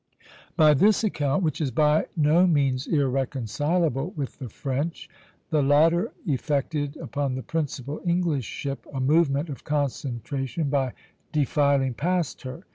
By this account, which is by no means irreconcilable with the French, the latter effected upon the principal English ship a movement of concentration by defiling past her.